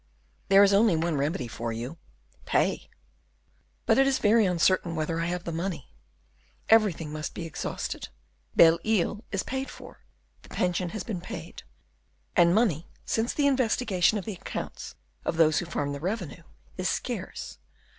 "There is only one remedy for you, pay." "But it is very uncertain whether I have the money. Everything must be exhausted; Belle Isle is paid for; the pension has been paid; and money, since the investigation of the accounts of those who farm the revenue, is scarce.